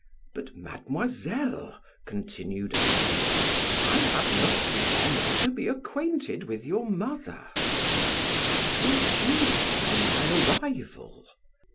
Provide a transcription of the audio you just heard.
"But, mademoiselle," continued I, "I have not the honor to be acquainted with your mother; what will she say on my arrival?"